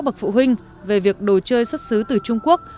bậc phụ huynh về việc đồ chơi xuất xứ từ trung quốc